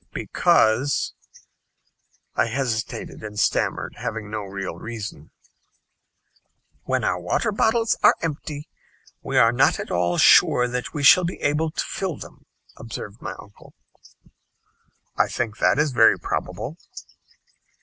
"Because " I hesitated and stammered, having no real reason. "When our water bottles are empty, we are not at all sure that we shall be able to fill them," observed my uncle. "I think that is very probable."